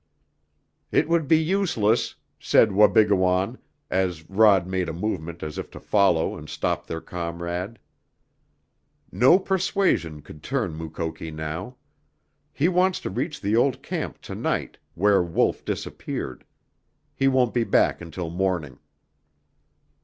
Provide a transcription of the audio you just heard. "It would be useless," said Wabigoon, as Rod made a movement as if to follow and stop their comrade. "No persuasion could turn Mukoki now. He wants to reach the old camp to night, where Wolf disappeared. He won't be back until morning."